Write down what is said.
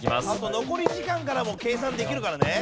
残り時間からも計算できるからね。